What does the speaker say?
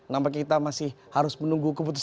nampaknya kita masih harus menunggu kembali